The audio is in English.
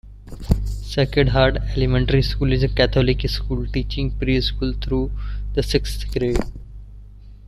Sacred Heart Elementary School is a Catholic school teaching preschool through the sixth grade.